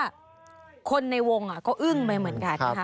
คือว่าคนในวงก็อึ้งไปเหมือนกัน